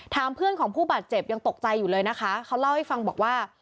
เพื่อนของผู้บาดเจ็บยังตกใจอยู่เลยนะคะเขาเล่าให้ฟังบอกว่า